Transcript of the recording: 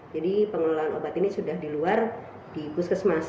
jadi pengelolaan obat ini sudah diluar di puskesmas